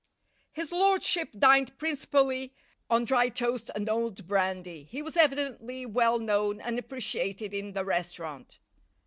His lordship dined principally on dry toast and old brandy. He was evidently well known and appreciated in the restaurant.